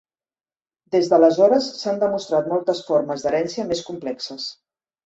Des d'aleshores s'han demostrat moltes formes d'herència més complexes.